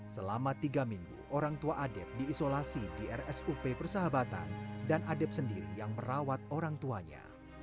selama tiga minggu orang tua adep diisolasi di rsup persahabatan dan adep sendiri yang merawat orang tuanya